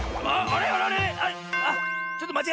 あっ。